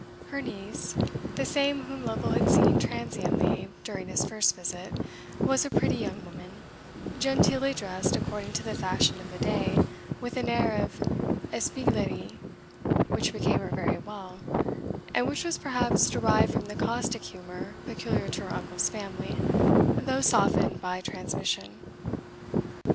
Her niece, the same whom Lovel had seen transiently during his first visit, was a pretty young woman, genteelly dressed according to the fashion of the day, with an air of espieglerie which became her very well, and which was perhaps derived from the caustic humour peculiar to her uncle's family, though softened by transmission.